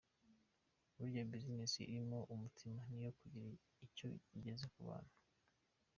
Burya business irimo umutima ni yo igira icyo igeza ku bantu”.